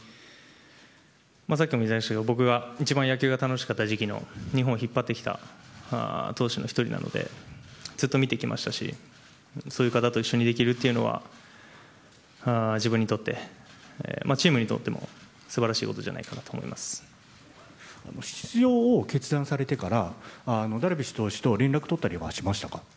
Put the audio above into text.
僕が一番野球が楽しかった時期に日本を引っ張ってきた投手の１人なのでずっと見てきましたしそういう方と一緒にできるというのは自分にとってチームにとっても素晴らしいことじゃ出場を決断されてダルビッシュ投手と連絡を取ったりはしましたか？